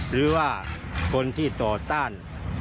หรือว่าคนที่ต่อต้าน